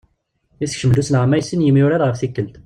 Issekcem-d usleɣmay sin n yemyurar ef tikelt.